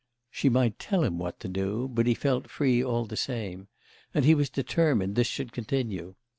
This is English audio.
She might tell him what to do, but he felt free all the same; and he was determined this should continue.